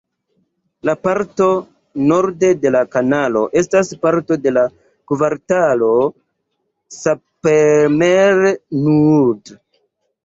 La parto norde de la kanalo estas parto de la kvartalo Sappemeer-Noord.